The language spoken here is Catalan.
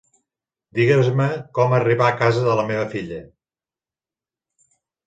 Digues-me com arribar a casa de la meva filla.